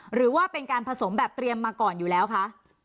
หรือว่าเป็นการผสมแบบเตรียมมาก่อนอยู่แล้วคะ